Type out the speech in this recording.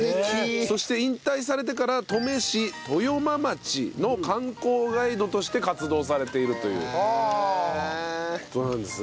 そして引退されてから登米市登米町の観光ガイドとして活動されているという事なんですね。